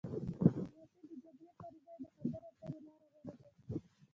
ډیپلوماسي د جګړې پر ځای د خبرو اترو لاره غوره کوي.